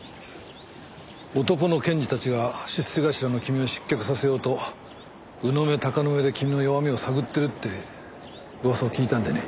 男の検事たちが出世頭の君を失脚させようと鵜の目鷹の目で君の弱みを探っているって噂を聞いたんでね。